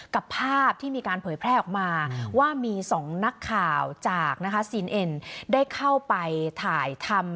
ภาพที่มีการเผยแพร่ออกมาว่ามี๒นักข่าวจากนะคะซีนเอ็นได้เข้าไปถ่ายทำ